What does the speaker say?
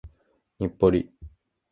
日暮里